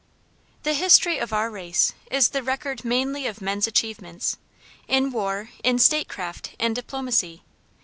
The history of our race is the record mainly of men's achievements, in war, in statecraft and diplomacy.